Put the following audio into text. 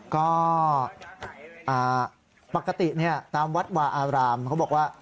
ก็ปกติตามวัดวาอารามเขาบอกว่า